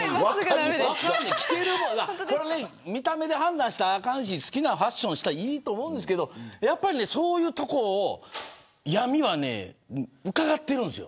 見た目で判断したらあかんし好きなファッションしていいと思うんですけどそういうところを闇は伺ってるんです。